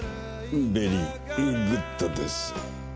ベリーグッドです。